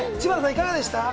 いかがでしたか？